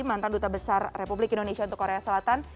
mantan duta besar republik indonesia untuk korea selatan